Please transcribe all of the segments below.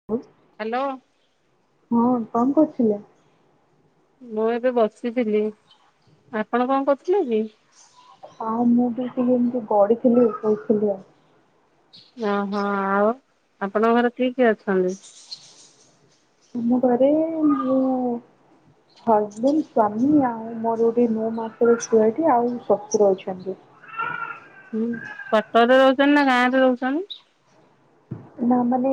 [unintelligible] Hello. ହୁଁ କଣ କରୁଥିଲ? ମୁଁ ଏବେ ବସିଥିଲି ଆପଣ କଣ କରୁଥିଲେ କି? ଆଉ ମୁଁ ବି ଟିକେ ଏମତି ଗଡ଼ୁଥିଲି ଶୋଇଥିଲି ଆଉ। ଓହୋ ଆଉ ଆପଣଙ୍କ ଘରେ କିଏ କିଏ ଅଛନ୍ତି? ଆମ ଘରେ ମୁ ହଜବେଣ୍ଡ ସ୍ଵାମୀ ଆଉ ମୋର ଗୋଟେ ନଅ ମାସର ଛୁଆଟି ଆଉ ଶଶୁର ଅଛନ୍ତି ହୁଁ କଟକରେ ରହୁଛନ୍ତି ନା ଗାଁରେ ରହୁଛନ୍ତି ନା ମାନେ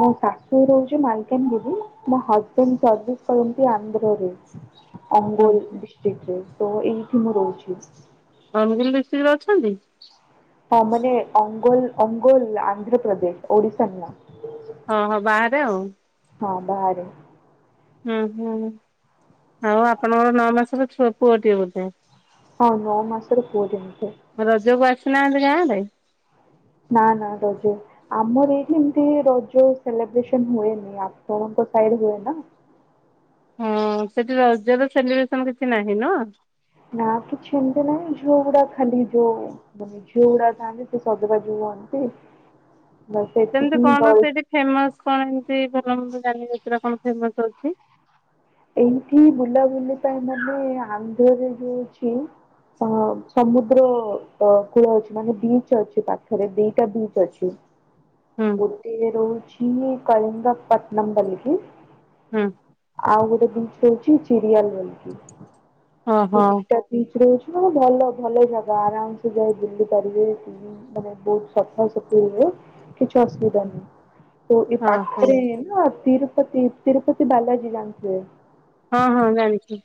ମୋ ଶାଶୁ ରହୁଛି ମାଲକାନଗିରି ମୋ ହଜବେଣ୍ଡ ସର୍ଭିସ କରନ୍ତି ଆନ୍ଧ୍ରରେ ଅଙ୍ଗୋଲ ଡିଷ୍ଟ୍ରିକଟ ରେ ତ ଏଇଠି ମୁଁ ରହୁଛି। ଅନଗିରି ଡିଷ୍ଟ୍ରିକ୍ଟ ରେ ଅଛନ୍ତି। ହଁ, ମାନେ ଅଙ୍ଗୋଲ ଅଙ୍ଗୋଲ ଆନ୍ଧ୍ରପ୍ରଦେଶ ଓଡିଶା ନୁହଁ। ହଁ ହଁ ବାହାରେ ଆଉ। ହଁ ବାହାରେ। ହୁଁ ହୁଁ ଆଉ ଆପଣଙ୍କର ନଅ ମାସର ଝୁଅ ପୁଅଟିଏ ବୋଧେ ହଁ ନଅ ମାସର ପୁଅଟିଏ। ରଜ କୁ ଆସିନାହାନ୍ତି ଗାଁ ରେ। ନା ନା ରଜ। ଆମର ଏଇଠି ଏମିତି ରଜ ସେଲିବ୍ରେସନ ହୁଏନି ଆପଣଙ୍କ ସାଇଡ ହୁଏ ନା। ହଁ ସେଠି ରଜ ର ସେଲିବ୍ରେସନ କିଛି ନାହିଁ ନ। ନା କିଛି ଏମତି ନାହିଁ ଝିଅଗୁଡା ଖାଲି ଯୋଉ। ଝିଅଗୁଡା ଥାନ୍ତି ସେ ସଜବାଜ ହୁଅନ୍ତି। [unintelligible] ବାସ୍ ଏତିକି ସେମିତି ହିଁ କଣ ଦୋଳି ସେଇଠି ଫେମସ କଣ ଏମତି ଭଲ ମନ୍ଦ ଯାନି ଯାତରା କଣ ଫେମସ ଅଛି ଏଇଠି ବୁଲାବୁଲି ପାଇଁ ମାନେ ଆନ୍ଧ୍ରାରେ ଯୋଉ ଅଛି ଅ ସମୁଦ୍ର କୂଳ ଅଛି ମାନେ ବିଚ ଅଛି ପାଖରେ ଦିଟା ବିଚ୍ ଅଛି। ହୁଁ। ଟିଏ ରହୁଚି କଳିଙ୍ଗପଟଣମ୍ ବଲିକି। ହଁ। ଆଉ ଗୋଟେ ଜିନିଷ ହଉଛି ଚିରିଆଲ ବଲିକି ତ ଓହୋ ଦିଟା। ବିଚ ରହୁଛି ନା ଭଲ ଭଲ ଜାଗା ଆରାମ ସେ ଯାାଇ ବୁଲି ପାରିବେ। ମାନେ ବହୁତ ସପନ ସଫୁ [unintelligible] କିଛି ଅସୁବିଧା ନାହିଁ। ତ ଏ ଓହୋ ପାଖରେ ନା ତିରୁପତି। ତିରୁପତି ବାଲାଜୀ ଜାଣିଥିବେ। ହଁ ହଁ ଜାଣିଛି।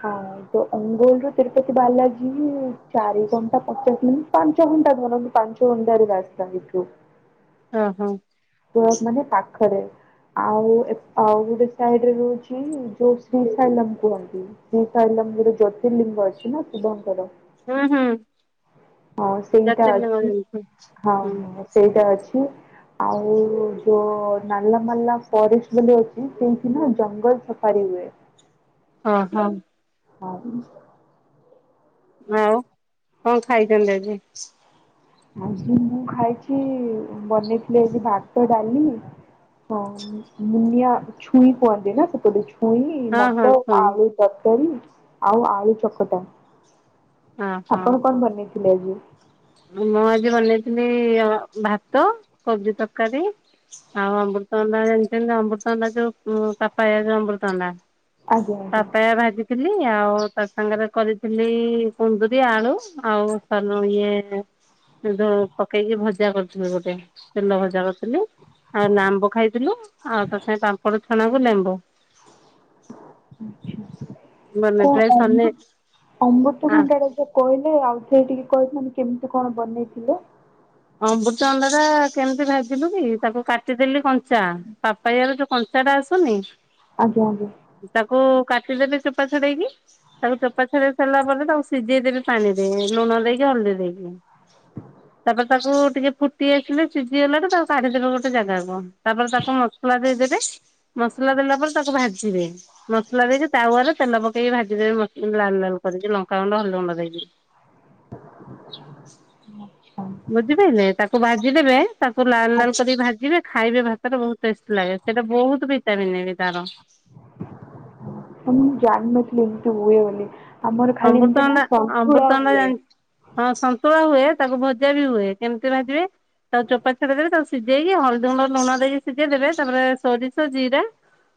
ହଁ। ତ ଅଙ୍ଗୋଲରୁୁ ତିରୁପତି ବାଲାଜୀ ଚାରି ଘଣ୍ଟା ପଚାଶ ମିନିଟ ପାଞ୍ଚ ଘଣ୍ଟା ଧରନ୍ତୁ ପାଞ୍ଚ। ଟାରେ ବାସ୍ତୁ [unintelligible] ରାସ୍ତା ଏଠୁ। ହଁ ହଁ। ମାନେ ପାଖରେ ଆଉ ଆଉ ଗୋଟେ ସାଇଡରେ ରହୁଛି କି ଯୋଉ ଶ୍ରୀସୈଲମ କୁହନ୍ତି। ଶ୍ରୀସୈଲମ ଜ୍ୟୋତିର୍ଲିଙ୍ଗ ଅଛି ନା ଶିବଙ୍କର। ହୁଁ ହୁଁ ହଁ ସେଇଟା ଜ୍ୟୋତିର୍ଲିଙ୍ଗ ଅଛି ଜାଣିଛି ହଁ। ହୁଁ। ସେଇଟା ଅଛି। ଆଉ ଯୋଉ ନାଲା ମାଲା ଫରେଷ୍ଟ ବୋଲି ଅଛି ସେଇଠି ନା ଜଙ୍ଗଲ ପାରି ହୁଏ। ହଁ ହଁ। ଆ [unintelligible] ଆଉ କଣ ଖାଇଛନ୍ତି ଆଜି? ଆଜି, ମୁଁ ଖାଇଛି ବନେଇଥିଲି ଏ ଭାତ, ଡାଲି। ହଁ ମୁନିଆ ଛୁଇଁ କୁହନ୍ତି ନା ସେପଟ। ଛୁଇଁ, ହଁ ହଁ ମଟର, ଶୁଣି ଆଳୁ ତରକାରୀ, ଆଉ ଆଳୁ ଚକଟା। ଓହୋ ଆପଣ କଣ ବନେଇଥିଲେ ଆଜି? ମୁଁ ଆଜି ବନେଇଥିଲି ଭାତ, କୋବି ତରକାରୀ। ଆଉ ଅମୃତଣ୍ଡା ଜାଣିଛନ୍ତି। ଅମୃତଣ୍ଡା ଯୋଉ ପାପାୟା ଯଉ ଅମୃତଣ୍ଡା। ଆଜ୍ଞା ଆଜ୍ଞା ପାପେୟା ଭାଜି ଥିଲି ଆଉ ତା ସାଙ୍ଗରେ କରିଥିଲି କୁନ୍ଦୁରି ଆଳୁ ଆଉ [unintelligible] ଇଏ। ଦୋ ପକେଇକି ଭଜା କରୁଥିଲି ଗୋଟେ ତେଲ ଭଜା କରୁଥିଲି। ଆଉ ନାମ୍ବ ଖାଇଥିଲୁ ଆଉ ତା ସାଙ୍ଗ ପାମ୍ପଡ଼ ଛଣାକୁ ଲେମ୍ବୁ। ଆଛା [unintelligible] ଅମୃତଭଣ୍ଡା ଟା ମାନେ ଯୋ ପ୍ରାୟ ଉ ସନେ କହିଲେ ଆଉ ଆ ଆଉ ଥରେ ଟିକେ କହିଥାନେ କେମିତି କଣ ବନେଇଥିଲେ? ଅମବୃତଚ ଅଣ୍ଡା ଟା କେମିତି ଭାଜିଲୁ କି ତାକୁ କାଟିଦେଲି କଞ୍ଚା। ପା ପାଇଆରେ ଯୋଉ କଞ୍ଚାଟା ଆସୁନି? ଆଜ୍ଞା ଆଜ୍ଞା। ତାକୁ କାଟିଦେବେ ଚୋପା ଛଡେଇକି। ତାକୁ ଚୋପା ଛଡେଇ ସରିଲା ପରେ ତାକୁ ସିଝେଇଦବେ ପାଣି ରେ ଲୁଣ ଦେଇକି ହଳଦୀ ଦେଇକି। ତାପରେ ତାକୁ ଟିକେ ଫୁଟି ଆସିଲେ ସିଝିଗଲାଠୁ ତାକୁ କାଢିଦବେ ଗୋଟେ ଜାଗାକୁ ତାପରେ ତାକୁ ମସଲା ଦେଇଦେବେ ମସଲା ଦେଲା ପରେ ତାକୁ ଭାଜିବେ ମସଲା ଦେଇକି ତାୱାରେ ତେଲ ପକେଇକି ଭାଜିଦେବି ମ ଲାଲ ଲାଲ କରିକି ଲଙ୍କାଗୁଣ୍ଡ ହଲଦି ଗୁଣ୍ଡ ଦେଇକି। ଆଚ୍ଛା। ବୁଝିପାଇଲେ ତାକୁ ଭାଜିଦେବେ ତାକୁ ଲାଲ ଲାଲ କରିକି ଭାଜିବେ ଖାଇବେ ଭାତରେ ବହୁତ ଟେଷ୍ ଲାଗେ ସେଇଟା ବହୁତ ଭିଟାମିନ ବି ତାର। ତ ମୁଁ ଜାଣିନଥିଲି ଏମତି ହୁଏ ବୋଲି ଆମର ଖାଲି ଏମିତି ନା ଅମୃତଭଣ୍ଡା ସନ୍ତୁଳା ଅମୃତଭଣ୍ଡା ହୁଏ। ଜାଣି ହଁ ସନ୍ତୁଳା ହୁଏ, ତାକୁ ଭଜା ବି ହୁଏ। କେମିତି ଭାଜିବେ? ତା ଚୋପା ଛଡେଇ ଦେବେ। ତାକୁ ସିଝେଇକି ହଳଦୀ ଗୁଣ୍ଡ ଲୁଣ ଦେଇକି ସିଝେଇ ଦେବେ। ତାପରେ ସୋରିଷ, ଜିରା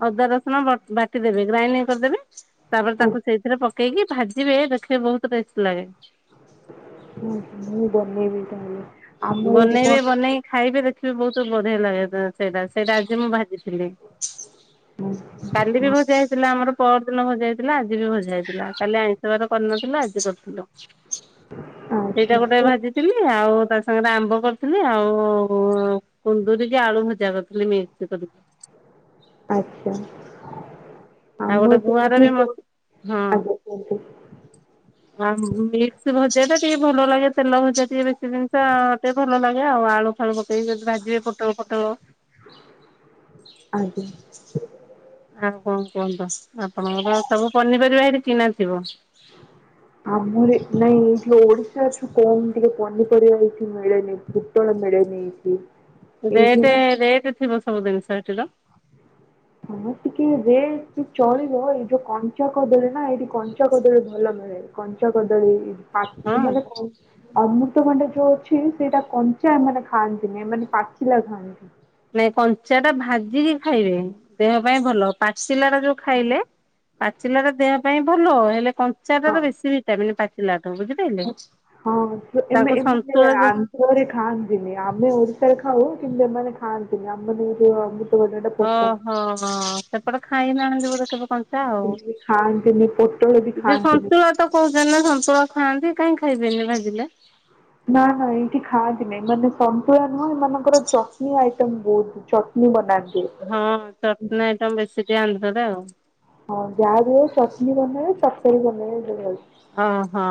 ଅଦା, ରସୁଣ ବାଟିଦେବେ ଗ୍ରାଇଣ୍ଡିଂ କରିଦେବେ ତାପରେ ତାକୁ ଆଚ୍ଛା ସେଇଥିରେ ପକେଇକି ଭାଜିବେ ଦେଖିବେ ବହୁତ ଟେଷ୍ ଲାଗେ। ହ ମୁଁ ବନେଇବି ତାହାଲେ। ବନେଇବେ ବନେଇକି ଖାଇବେ ଦେଖିବେ ବହୁତ ବଢିଆ ଲାଗେ ତା ସେଇଟା ସେଇଟା ଆଜି ମୁଁ ଭାଜିଥିଲି। କାଲି ବି ହଁ ଭଜା ହେଇଥିଲା ଆମର ପଅର ଦିନ ଭଜା ହେଇ ଥିଲା ଆଜି ବି ଭଜା ହେଇଥିଲା କାଲି ଆଇଁଷ ବାର କରିନଥିଲୁ ଆଜି କରିଥିଲୁ। ସେଇଟା ଆଚ୍ଛା ଗୋଟେ ସେ ଭାଜିଥିଲି ଆଉ ତା ସାଙ୍ଗରେ ଆମ୍ବ କରିଥିଲି ଆଉ କୁନ୍ଦୁରିିକ ଆଳୁ ଭଜା କରିଥିଲି ମିକସ କରିକି। ଆଛା ଆଉ ଗୋଟେ ଆମର ତ ଗୁଆଁର ଏଇଠି ବି ମ କୋ [unintelligible] ଆଜ୍ଞା କୁହନ୍ତୁ। ହଁ ଆଉ ମିକ୍ସ ଭଜା ଟା ଟିକେ ଭଲ ଲାଗେ ତେଲ ଭଜା ଟିକେ ବେଶୀ ଜିନିଷ ଟେ ଭଲ ଲାଗେ ଆଉ ଆଳୁ ଫାଳୁ ପକେଇ ଯଦି ଭାଜିବେ ଫୋଟଳ ଫୋଟଳ। ଆଜ୍ଞା। ଆଉ କଣ କୁହନ୍ତୁ ଆପଣଙ୍କର ସବୁ ପନିପରିବା ହେଟି କିଣା ଥିବ? ହଁ ଆମର ନାଇଁ ଏଇଠି ଓଡିଶାଠୁ କମ ଟିକେ ପନିପରିବା ବେଶି ମିଳେନି ଏଠି। ଟଳ ମିଳେନି ଏଠି। ରେଟେ ରେଟ୍ ଥିବ ସବୁ ଜିନିଷ ହେଟିତ? ହଁ ଟିକେ ରେଟ ଚଳିବ ଏଇ ଯୋଉ କଞ୍ଚା କଦଳୀ ନା ଏଇଠି କଞ୍ଚା କଦଳୀ ଭଲ ମ ଳେ କଞ୍ଚା କଦଳୀ ହଁ। ମାନେ କ ଅମୃତଭଣ୍ଡା ଯୋଉ ଅଛି ସେଇଟା କଞ୍ଚା ଏମାନେ ଖାଆନ୍ତିନି ଏମାନେ ପାଚିଲା ଖାଆନ୍ତି। ନାଇଁ କଞ୍ଚା ଟା ଭାଜିକି ଖାଇବେ ଦେହ ପାଇଁ ଭଲ। ପାଚିଲାଟା ଯୋଉ ଖାଇଲେ ପାଚିଲା ଟା ଦେହ ପାଇଁ ଭଲ ହେଲେ କଞ୍ଚାଟା ହଁ ର ବେଶୀ ଭଟାମିନି ପାଚିଲାଠୋଉ ବୁଝିଲ? ହଁ। ଯୋ ଏମ ଏମାନେ ସନ୍ତୁଳା ଆ ଯୋଉ ପରେ ଖାଆନ୍ତିନି ଆମେ ଓଡିଶାରେ ଖାଉ କିନ୍ତୁ ଏମାନେ ଖାଆନ୍ତିନି ଆମ ଯଉ ଅମୃତ ଓହୋ ସେପଟେ ଖାଇ ନାହାନ୍ତି ବୋଧେ କେବେ କ ଞ୍ଚା ଆଉ। ସେମିତି ଖାଆନ୍ତିନି ପୋଟଳ ବି ଯୋଉ ଖାଆନ୍ତିନି। ସନ୍ତୁଳା ତ କହୁଛନ୍ତି ନା ସନ୍ତୁଳା ଖାଆନ୍ତି କାହିଁ ଖାଇବେନି ଭାଜିଲେ? ନା ନା ଏଇଠି ଖାଆନ୍ତିନେଇଁ ମାନେ ସନ୍ତୁଳା ନୁହଁ ଏମାନଙ୍କର ଚଟନୀ ଆଇ ତାମ୍ ବୋଉ କି ଚଟନୀ ବନା ହଁ ଚଟନା ଆଇଟମ ବେଶୀ ଟିକେ ଆନ୍ଧ୍ରରେ ଆଉ। ହଁ ଯାହା ବି ହଉ ଚଟନୀ ବନେଇବେ ତରକାରୀ ବନେଇବେ ଦି ଆଡ଼ୁ। ହଁ ହଁ।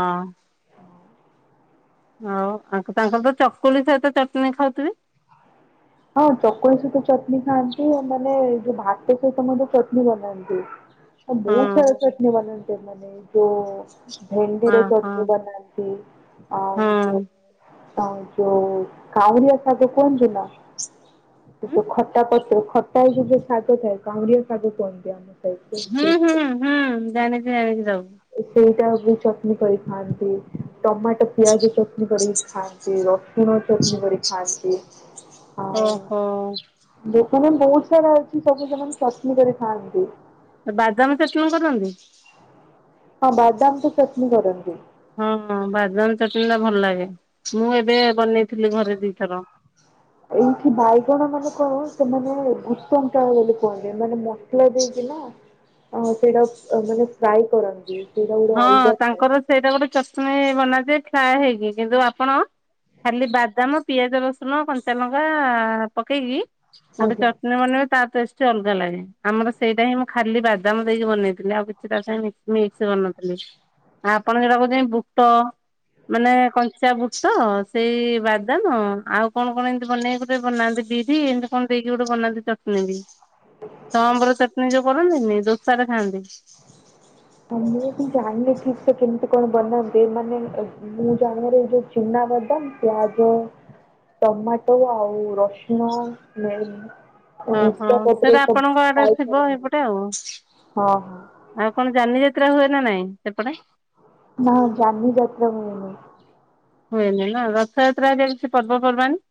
ହଉ ଆ ତାଙ୍କର ତ ଚକୁଲି ସହିତ ଚଟଣିୀ ଖାଉଥିବେ? ହଁ ଚକୁଳି ସହିତ ଚଟନୀ ଖାଆନ୍ତି ମାନେ ଯୋଉ ଭାତ ସହିତ ମଧ୍ୟ ଚଟନୀ ବନାନ୍ତି। ଆ ହଁ ବହୁତ୍ ସାରା ଚଟନୀ ବନାନ୍ତି ଏମାନେ। ଯୋଉ ଭେଣ୍ଡିର ହଁ ହଁ ଚଟନି ବନାନ୍ତି ଆଉ ଯୋଉ ଆଉ ଯଉ କାଉଁରିଆ ଶାଗ କୁହନ୍ତି ନା। ହଁ। ଯୋଉ ଖଟା ପତ୍ର ଖଟା ହେଇକି ଯୋଉ ଶାଗ ଥାଏ କାଉଁରିଆ ଶାଗ କୁହନ୍ତି ଆମେ। ହୁଁ ହୁଁ ହୁଁ ଜାଣିଛି ଜାଣିଛି ସବୁ। ଏ ସେଇଟା ବି ଚଟଣି କରି ଖାଆନ୍ତି ଟମାଟୋ ପିଆଜ ଚଟଣିୀ କରି ଖାଆ ନ୍ତି ରସୁଣ ଚଟନୀ କରି ଖାଆନ୍ତି। ଓ ହୋ। ଲୋକ ମାନେ ବହୁତ ସାରା ଅଛି ସବୁ ସେମାନେ ଚଟନୀ କରିଥାଆନ୍ତି। ଆ ବାଦାମ ଚଟନି କରନ୍ତି। ହଁ ବାଦାମ ତ ଚଟନି କରନ୍ତି। ହଁ ହଁ ବାଦାମ ଚଟଣି ଟା ଭଲ ଲାଗେ ମୁଁ ଏବେ ବନେଇଥିଲି ଘରେ ଦିଥର। ଏଇଠି ବାଇଗଣ ମାନେ କଣ ସେମାନେ ଗୁତଙ୍ଗଟାଳ ବୋଲି କୁହନ୍ତି ମାନେ ମସଲା ଦେଇକିନା ଅ ସେଇଟା କୁ ମାନେ ଫ୍ରାଏ କରନ୍ତି। ସେଇଟା ଗୋଟେ ହଁ ଅଲଗା ଥାଏ ତାଙ୍କର ସେଇଟା ଗୋଟେ ଚଷଣି ବନାନ୍ତି ଫ୍ରାଏ ହେଇକି କିନ୍ତୁ ଆପଣ ଖାଲି ବାଦାମ ପିଆଜ ରସୁଣ କଞ୍ଚା ଲଙ୍କା ପକେଇକି ଗୋଟେ ଆଜ୍ଞା। ଚଟଣୀ ବନେଇବେ ତା ଟେଷ୍ଟ ଚି ଅଲଗା ଲାଗେ ଆମର ସେଇଟା ହିଁ ମୁଁ ଖାଲି ବାଦାମ ଦେଇକି ବନେଇଥିଲି ଆଉ କିଛି ତା ସାଙ୍ଗ ମିକ୍ସ କରିନ ଥିଲି ଆପଣ ଯଟା କହୁଚନ୍ତି ବୁଟ ମାନେ କଞ୍ଚା ବୁଟ ସେଇ ବାଦାମ ଆଉ କଣ କଣ ଏମତି ବନେଇ ଗୋଟେ ବନାନ୍ତି ବି ବି ଏମିତି କଣ ଦେଇକି ଗୋଟେ ବନାନ୍ତି ଚଟଣୀ ବି। ସଂବ୍ର ଚଟଣିୀ ଯୋଉ କରନ୍ତିନି ଦୋସା ରେ ଖାଆନ୍ତି। ହଁ ମୁଁ ବି ଜାଣିନି ଠିକ ସେ କେମିତି କଣ ବନାନ୍ତି ମାନେ ମୁଁ ଜାଣିବାରେ ଯୋଉ ଚିନା ବାଦମ୍ ପ୍ୟାଜ ଟମାଟୋ ଆଉ ରସୁଣ ଲେମ୍ ହଁ ହଁ ସେଟା ଆପଣଙ୍କ ଆଡେ ଥିବ କରନ୍ତି ଏପଟେ ଆଉ। ହଁ ହଁ ଆଉ କଣ ଯାନିଯାତ୍ରା ହୁଏ ନା ନାଇଁ ସେପଟେ। ନାଁ ଜାନି ଯାତ୍ରା ହୁଏନି। ହୁଏନି ନା ରଥଯାତ୍ରା ଯେ କିଛି ପର୍ବପର୍ବାଣି।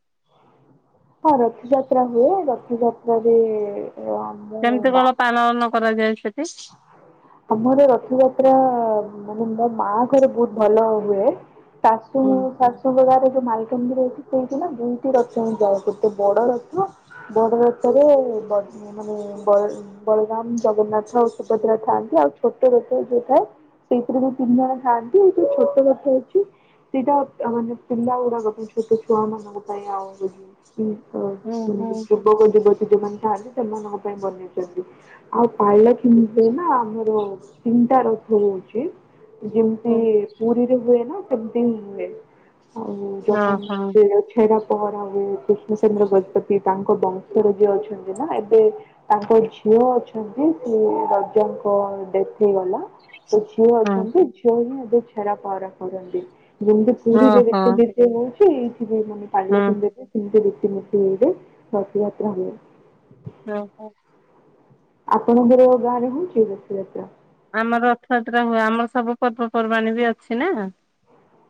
ହଁ ରଥଯାତ୍ରା ହୁଏ ରଥଯାତ୍ରା ଏ ଆଁ। କେମିତି କଣ ପାଳନ କରାଯାଏ ସେଠି। ଆମର ରଥଯାତ୍ରା ମାନେ ମୋ ମା ଘରେ ବହୁତ ଭଲ ହୁଏ। ଶାଶୁ ହୁଁ ଶାଶୁଙ୍କ ଗାଁ ରେ ଯୋଉ ମାଲକାନଗିରି ଅଛି। ସେଇଟି ନା ଦୁଇଟି ରଥ ହିଁ ଯାଏ ଗୋଟେ ବଡ ରଥ ବଡରଥରେ ବ ମାନେ ବଲ ବଳରାମ ଜଗନ୍ନାଥ ଶୁ ଭଦ୍ରା ଥାଆନ୍ତି ଆଉ ଛୋଟ ରଥ ଯୋଉ ଥାଏ ସେଇଥିରେ ବିଁ ତିନି ଜଣ ଥାଆନ୍ତି ଏଇ ଯୋଉ ଛୋଟ ରଥ ଅଛି ସେଇଟା ମାନେ ପିଲା ଗୁଡାକ ଛୋଟ ଛୁଆ ମାନଙ୍କ ପାଇଁ ଆଉ ଏ ଯୋ ହୁଁ ହୁଁ [unintelligible] ଯୁବକ ଯୁବ ଯୋଉମାନେ ଥାଆନ୍ତି ସେମାନଙ୍କ ପାଇଁ ବନେଇଚନ୍ତି ଆଉ ପାଲେ ଙ୍କିରେ ନା ଆମର ତିନିଟା ରଥ ହଉଚି ଯେମତି ହୁଁ ପୁରୀରେ ହୁଏ ନା ସେମିତି ହିଁ ହୁଏ ଆଉ ଓହୋ [unintelligible] ଛେଡ଼ା ପହରା ହୁଏ କୃଷ୍ଣଚନ୍ଦ୍ର ଗଜପତି ତାଙ୍କ ବଂଶର ଯିଏ ଅଛନ୍ତି ନା ଏବେ ତାଙ୍କ ଝିଅ ଅଛନ୍ତି। ସେ ରାଜାଙ୍କ ଡେଥ ହେଇଗଲା ତ ଝିଅ ହଁ ଅଛନ୍ତି। ହିଁ ଏବେ ଛେରା ପହଁରା କରନ୍ତି ଯେମିତି ପୁରୀରେ ଓହୋ ଏତେ ନିର୍ଜୟ ହଉଛି ଏଇଠି ମାନେ କାଲି ହଁ [unintelligible] କିମିତି ରତିନିତି ହେଇକି ରଥଯାତ୍ରା ହୁଏ। ହଁ ହ। ଆପଣଙ୍କର ଗାଁ ରେ ହଉଛି ରଥ ଯାତ୍ରା। ଆମର ରଥଯାତ୍ରା ହୁଏ ଆମର ସବୁ ପର୍ବପର୍ବାଣୀ ବି ଅଛି ନା।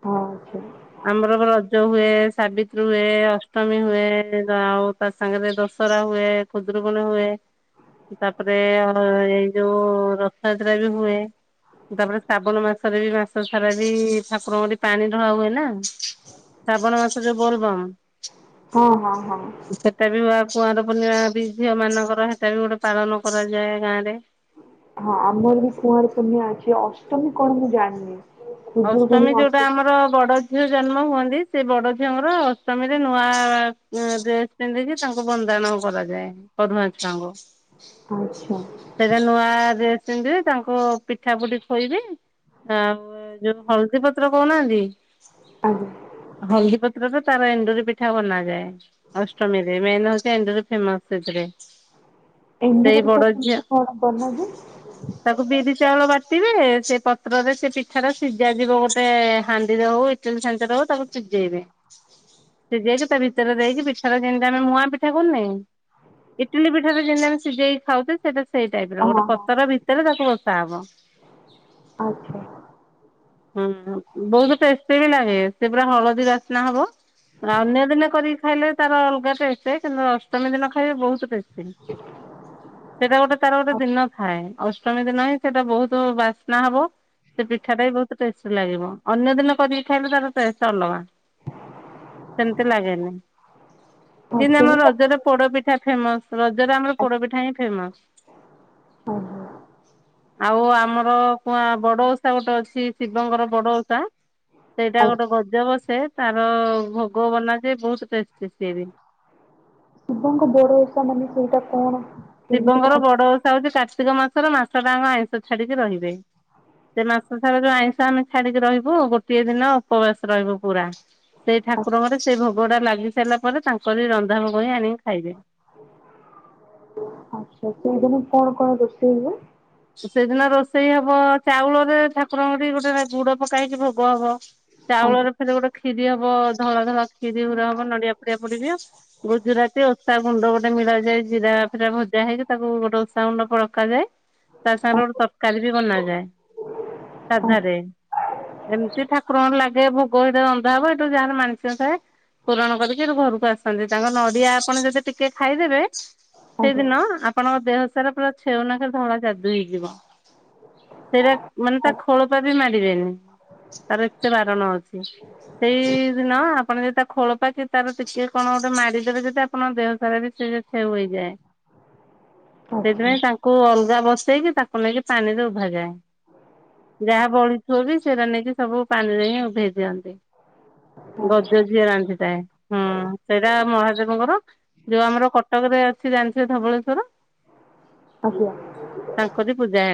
ହଁ ସେ। ଆମର ରଜ ହୁଏ ସାବିତ୍ରୀ ହୁଏ ଅଷ୍ଟମୀ ହୁଏ ଆଉ। ତା ସାଙ୍ଗରେ ଦଶହରା ହୁଏ ଖୁଦ୍ରକୁଣି ହୁଏ। ତାପରେ ଆଉ ଏଇ ଯୋଉ ରଥଯାତ୍ରା ବି ହୁଏ। ତାପରେ ଶ୍ରାବଣ ମାସରେ ବି ମାସ ସାରା ବି ଠାକୁରଙ୍କଠି ପାଣି ଢଳା ହୁଏ ନା। ଶ୍ରାବଣ ମାସ ଯୋଉ ବୋଲବମ୍ ହଁ ହଁ ହଁ ସେ। ସେଟା ବି ହୁଏ କୁଆର ପୂର୍ଣ୍ଣିମା ବି ଝିଅ ମାନଙ୍କର ସେଟା ବି ଗୋଟେ ପାଳନ କରାଯାଏ ଗାଁ ରେ। ହଁ ଆମର ବି କୁଆଁର ପୁନିଆ ଅଛି ଅଷ୍ଟମୀ କଣ ମୁଁ ଜାଣିନି। ଅଷ୍ଟମୀ ଯୋଉଟା ଆମର ବଡ। ଝିଅ ଜନ୍ମ ହୁଅନ୍ତି ସେ ବଡ ଝିଅଙ୍କର ଅଷ୍ଟମୀରେ ନୂଆ ଡ୍ରେସ୍। ଇ କିି ତାଙ୍କୁ ବନ୍ଦାଣ କରାଯାଏ ପରୁଆଁ ଛୁଆଙ୍କୁ। ଆଚ୍ଛା। ସେଇଟା ନୂଆ ଡ୍ରେସ୍ ପିନ୍ଧିବି ତାଙ୍କୁ ପିଠା ପୁଟି ଖୋଇବି ଆଉ, ଯୋଉ ହଳଦୀ ପତ୍ର କହୁନାହାନ୍ତି ଆଜ୍ଞା ହଳଦୀ ପତ୍ରରେ, ତାର ଏଣ୍ଡୁରି ପିଠା ବନାଯାଏ ଅଷ୍ଟମୀରେ ମେନ ହଉଛି ଏଣ୍ଡୁରି ଫେମସ ସେଥିରେ। ଏନ୍ଦୁ ସେଇ ବଡ କବତା ଝିଅ କେମିତି କଣ କରନ ଯେ। ତାକୁ ବିରି ଚାଉଳ ବାଟିବେ ସେ ପତ୍ରରେ ସେ ପିଠାରେ। ସିଝା ଯିବ ଗୋଟେ ହାଣ୍ଡିରେ ହଉ ଇଟିଲି ଛାଞ୍ଚ ର ହଉ ତାକୁ ସିଝେଇବେ। ସିଯାଇକି ତା ଭିତରେ ଦେଇକି ପିଠାରେ ଯେମିତି ଆମେ ମୁଆଁ ପିଠା କରୁନେ। ଇଟିଲି ପିଠାରେ ଯେମିତି ଆମେ ସିଝେଇକି ଖାଉଛେ ସେଇଟା ସେଇ ଟାଇପ ର ହଁ ଗୋଟେ ହଁ ପତର ଭିତ। ସେଲେ ତାକୁ ବସା ହବ। ଆଚ୍ଛା। ହୁଁ ବହୁତ ଟେଷ୍ଟି ବି ଲାଗେ ସେ ପୁରା ହଳଦୀ ବାସ୍ନା ହବ ଅନ୍ୟ ଦିନ କରି। ଖାଇଲେ ତାର ଅଲଗା ଟେଷ୍ଟ କିନ୍ତୁ ଅଷ୍ଟମୀ ଦିନ ଖାଇବେ ବହୁତ ଟେଷ୍ଟ। ସେଇଟା ଗୋଟେ ତାର ଗୋଟେ ହଁ ଦିନ ଥାଏ ଅଷ୍ଟମୀ ଦିନ ହିଁ ସେଟା ବହୁତ ବା। ନା ହେବ। ପିଠାଟା ବି ବହୁତ ଟେଷ୍ ଲାଗିବ ଅନ୍ୟ ଦିନ କରିକି ଖାଇଲେ ତାର ଟେଷ୍ଟ ଅଲଗା। ସେମିତି ଲାଗେନି ହଁ, ଯେତି ଆମ ସେଇଟା ମୁଁ ରଜରେ ଜାଣିନି। ପୋଡପିଠା ଫେମସ। ରଜରେ ଆମର ଆଜ୍ଞା ପୋଡପିଠା ହିଁ ଫେମସ। ଆଜ୍ଞା ଆଉ ଆମର କୁଆଁ ବଡ ଓ- ଗୋଟେ ଅଛି ଶିବଙ୍କର ବଡ ଉଷା ସେଇଟା ଗୋଟେ ଆଜ୍ଞା ଗଜବ ସେ ତାର ଭୋଗ ବନା ଯେ ବହୁତ ଟେଷ୍ଟ ସିଏ ବି। ଶିବଙ୍କ ବଡ ଓଷା ମାନେ ସେଇଟା କଣ। କେମିତି ଶିବଙ୍କର କଣ ହୁଏ? ବଡ ଓଷା ହଉଛି କାର୍ତ୍ତିକ ମାସର ମାସ ଟାଙ୍କ ଆଇଁଷ ଛାଡିକି ରହିବେ। ସେ ମାସ ସାରା ଯୋଉ ଆଇଁଷ ଆମେ ଛାଡିକି ରହିବୁ ଗୋଟିଏ ଦିନ ଉପବାସ ରହିବୁ ପୁରା। ସେଇ ଠାକୁରଙ୍କର ସେଇ ଭୋଗ ଟା ଲାଗି ସାରିଲା ପରେ ତାଙ୍କରି ରନ୍ଧା ଭୋଗ ହିଁ ଆଣିକି ଖାଇବେ। ଆଛା ସେଇଦିନ କଣ କଣ ରୋଷେଇ ହୁଏ। ସେଦିନ ରୋଷେଇ ହବ ଚାଉଳରେ ଠାକୁରଙ୍କଠି ଗୋଟେ ଗୁଡ ପକାଇକି ଭୋଗ ହବ। ଚାଉଳରେ ଆଜ୍ଞା ଫେର ଗୋଟେ ଖିରି ହବ ଧଳା ଧଳା ଖିରି ଗୁରେ ହବ ନଡିଆ ଫଡିଆ ପଡିବି। ଗୁଜୁରାତି ଓଷା ଗୁଣ୍ଡ ଗୋଟେ ମିଳା ଯାଏ ଜିରା ଫିରା ଭଜା ହେଇକି ତାକୁ ଗୋଟେ ଓଷା ଗୁଣ୍ଡ ପଳକାଯାଏ। ତା ସାଙ୍ଗରେ ଗୋଟେ ଆଜ୍ଞା ତରକାରୀ ବି ବନାଯାଏ। ସାଧାରେ ଏମିତି ଠାକୁର ଙ୍କର ଲାଗେ ଭୋ। କୂଅ ଭିତରେ ରନ୍ଧା ହବ ଏଇଟୁ ଯାହାର ମାନସିକ ଥାଏ। ପୂରଣ କରିକି ସେଠୁ ଘରକୁ ଆସନ୍ତି। ତାଙ୍କ ନଡିଆ ଆପଣ ଯଦି ଟିକେ ଖାଇଦେବେ ଆଜ୍ଞା ଆଜ୍ଞା ସେଇଦିନ ଆପଣଙ୍କ ଦେହସାରା ପୁରା ଛେଉନାକରେ ଧଳା ଯାଦୁ ଦୁଇଯିବ। ସେଇଟା ମାନେ ତା ଆଚ୍ଛା ଖୋଳପା ବି ମାଡିବେନି। ତାର ଏତେ ବାରଣ ଅଛି। ସେଇଦିନ ଆପ୍ ଆପଣ ଯଦି ତା ଖୋଳପା କି ତାର ଟିକେ କଣ ଗୋଟେ ମାଡିଦେବେ ଯଦି ଆପଣଙ୍କ ଦେହ ସାରା ବି ସେଇଆ ଛେଉ ହେଇଯାଏ। ଆଚ୍ଛା ସେଇଥିପାଇଁ ତାଙ୍କୁ ଅଲଗା ବସେଇକି ତାକୁ ନେଇକି ପାଣିରେ ଉଭା ଯାଏ। ଯାହା ବଳିଥିବ ବି ସେରା ନେଇକି ସବୁ ପାଣିରେ ହିଁ ଉଭେଇ ଦିଅନ୍ତି। ଆଚ୍ଛା ଗଜ ଯିଏ ରାନ୍ଧିଥାଏ ହଁ, ସେଇଟା ମହାଦେବଙ୍କର ଯୋଉ ଆମର କଟକ ରେ ଅଛି ଜାଣିଥିବେ ଧବଳେଶ୍ଵର। ଆଜ୍ଞା। ତାଙ୍କରି ପୂଜା ହେଟା